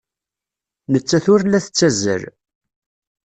Nettat ur la tettazzal.